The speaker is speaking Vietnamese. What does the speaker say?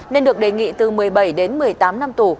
nên được đề nghị từ một mươi bảy đến một mươi tám năm tù